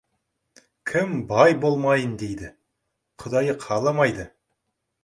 Кім бай болмайын дейді, Құдайы қаламайды.